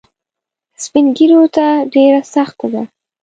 سپین ږیرو ته ډېره سخته ده.